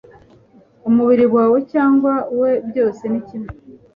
umubiri wawe cyangwa uwe byose nikimwe